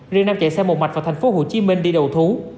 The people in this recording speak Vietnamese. riêng nam chạy xe một mạch vào thành phố hồ chí minh đi đầu thú